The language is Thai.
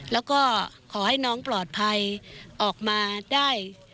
แล้วก็ขอให้น้องปลอดภัยออกมาได้